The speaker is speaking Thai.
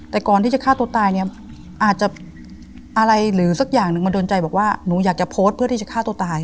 แต่ก่อนที่จะฆ่าตัวตายเนี่ยอาจจะอะไรหรือสักอย่างหนึ่งมาโดนใจบอกว่าหนูอยากจะโพสต์เพื่อที่จะฆ่าตัวตาย